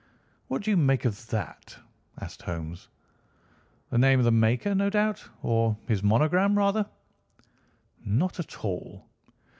"What do you make of that?" asked Holmes. "The name of the maker, no doubt; or his monogram, rather." "Not at all.